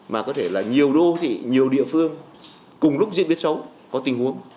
mà có thể là nhiều đô thị nhiều địa phương cùng lúc diễn biến xấu có tình huống